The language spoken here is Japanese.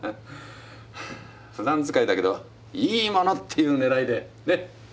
ふだん使いだけどいいものっていう狙いでねっ。